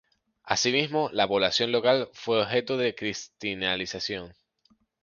Asimismo, la población local fue objeto de cristianización.